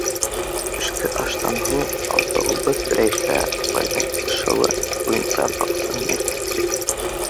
Төшкө аштан һуң алтауыбыҙ Рәйфә апайҙың ҡушыуы буйынса баҡсаһына киттек.